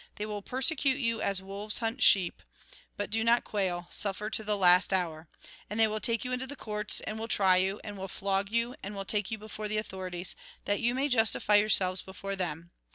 They will persecute you as wolves hunt sheep ; but do not quail, suffer to the last hour. And they will take you into the courts, and will try you, and will flog you, and will take you before the authorities, that you may justify yourselves before them.